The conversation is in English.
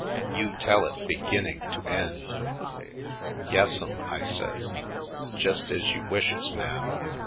You tell it beginning to end!" "Yassum," I says, "jest ez you wishes, ma'am."